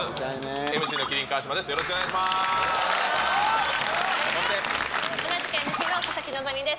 ＭＣの麒麟・川島です。